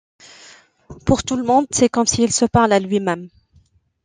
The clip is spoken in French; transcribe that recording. Pour tout le monde c'est comme s'il se parle à lui-même.